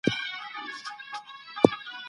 انسان بايد خپل عزت له بدو کارونو وساتي.